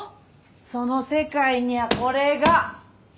その世界にはこれが。